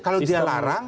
kalau dia larang